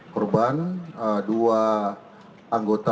korban dua anggota